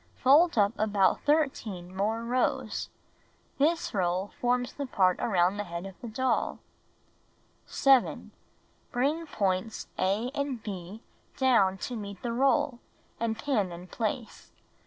Fold up about 13 more rows. This roll forms the part around the head of the doll. 7. Bring points a and h down to meet the roll, and pin in place.